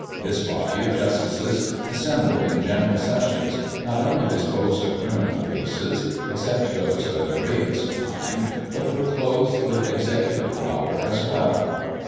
This body of justices, assembled in General Sessions, not only disposed of criminal cases, except those of the gravest kind, but were clothed with executive power as well.